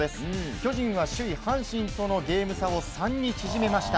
巨人は首位、阪神とのゲーム差を３に縮めました。